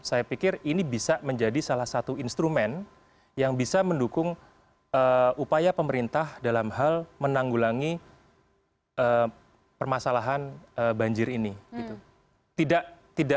saya pikir ini bisa menjadi salah satu instrumen yang bisa mendukung upaya pemerintah dalam hal menanggulangi permasalahan banjir ini